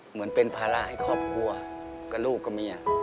เหมือนเป็นภาระให้ครอบครัวกับลูกกับเมีย